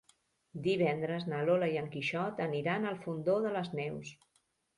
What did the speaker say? Divendres na Lola i en Quixot aniran al Fondó de les Neus.